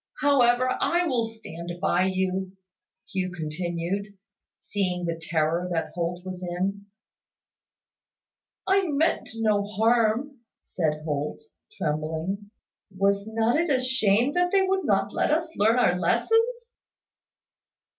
However, I will stand by you," Hugh continued, seeing the terror that Holt was in. "I meant no harm," said Holt, trembling. "Was not it a shame that they would not let us learn our lessons?"